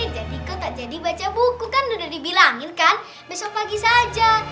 jadi kau tak jadi baca buku kan udah dibilangin kan besok pagi saja